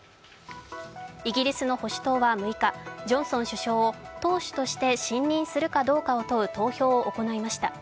イギリスの保守党は６日、ジョンソン首相を党首として信任するかどうかを問う投票を行いました。